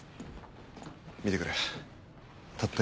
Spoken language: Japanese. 見てくれたった